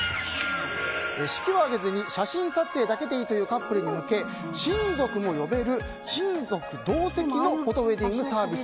式を挙げずに写真撮影だけでいいというカップルに向けて親族も呼べる親族同席のフォトウェディングサービス。